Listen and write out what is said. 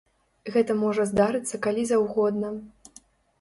Гэта можа здарыцца калі заўгодна.